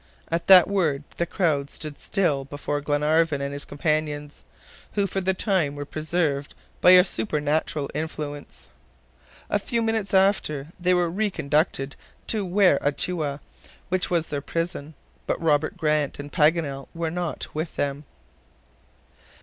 At that word the crowd stood still before Glenarvan and his companions, who for the time were preserved by a supernatural influence. A few minutes after they were re conducted to Ware Atoua, which was their prison. But Robert Grant and Paganel were not with them.